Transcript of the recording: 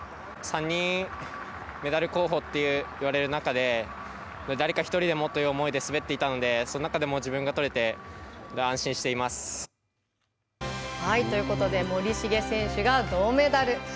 ３人メダル候補と言われる中で誰か１人でもという思いで滑っていたのでその中でも自分が取れて安心しています。ということで森重選手が銅メダル。